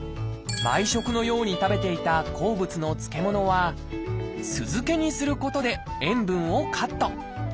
毎食のように食べていた好物の漬物は酢漬けにすることで塩分をカット。